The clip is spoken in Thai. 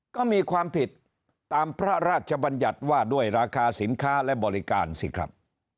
ก็มีความผิดตามพระราชบัญญัติว่าด้วยราคาสินค้าและบริการสิครับ